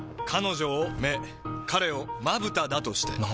彼女を目彼をまぶただとして。